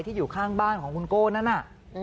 อยู่ข้างบ้านของคุณโก้นั่นน่ะ